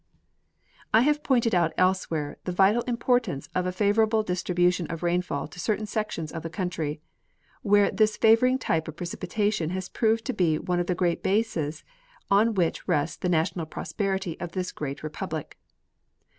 I have pointed out elsewhere the vital importance of a favor able distribution of rainfall to certain sections of the country, where this favoring type of precipitation has proved to be one of the great bases on which rests the national prosperity of this great republic.